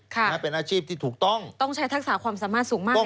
กินเทอร์เทนไปกินข้าวนะจะไปกินข้าวนะกินข้าวอย่างเดียวนะ